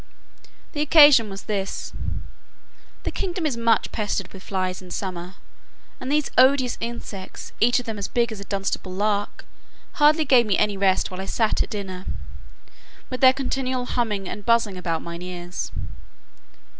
The occasion was this: the kingdom is much pestered with flies in summer; and these odious insects, each of them as big as a Dunstable lark, hardly gave me any rest while I sat at dinner, with their continual humming and buzzing about mine ears.